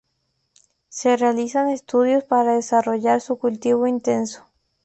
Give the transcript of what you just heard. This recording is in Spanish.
Se realizan estudios para desarrollar su cultivo intensivo.